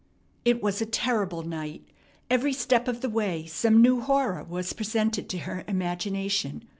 It was a terrible night. Every step of the way some new horror was presented to her imagination.